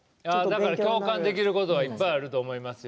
共感できることはいっぱいあると思いますよ。